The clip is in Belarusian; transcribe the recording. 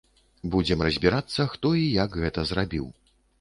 Будзем разбірацца, хто і як гэта зрабіў.